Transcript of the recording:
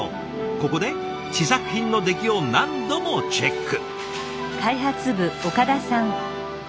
ここで試作品の出来を何度もチェック。